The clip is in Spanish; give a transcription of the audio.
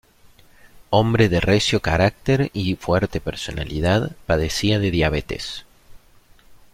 Hombre de recio carácter y fuerte personalidad, padecía de diabetes.